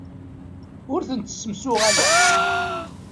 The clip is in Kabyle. Ur ten-ssemsuɣaleɣ.